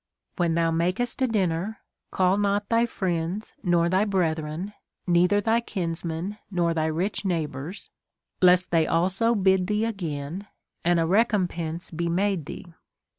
When thou makest a dinner, call not thy friends, nor thy brethren, neither thy kinsmen, nor thy rich neigh' hours, lest they also bid thee again, and a recompense be made thee.